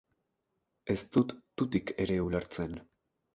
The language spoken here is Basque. Ez dut tutik ere ulertzen.